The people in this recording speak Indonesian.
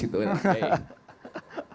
iya politis yang kiai dan kiai yang politis